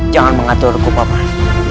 jangan mengaturku pak man